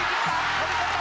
飛び込んだ。